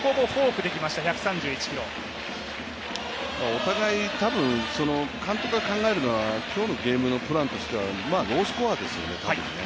お互い、たぶん、監督が考えるのは今日のゲームのプランとしてはロースコアですよね、たぶん。